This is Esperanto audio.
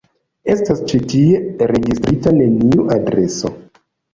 Estas ĉi tie registrita neniu adreso.